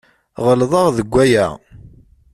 Ɣelḍeɣ deg waya?